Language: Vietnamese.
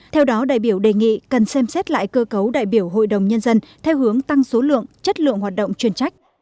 theo đó đại biểu đề nghị cần xem xét lại cơ cấu đại biểu hội đồng nhân dân theo hướng tăng số lượng chất lượng hoạt động chuyên trách